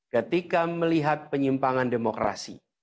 ketika melihat penyimpangan demokrasi